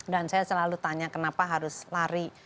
dan saya selalu tanya kenapa harus lari